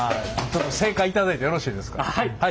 ちょっと正解頂いてよろしいですか？